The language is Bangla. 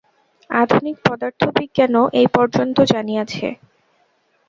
আধুনিক পদার্থবিজ্ঞানও এই পর্যন্ত জানিয়াছে।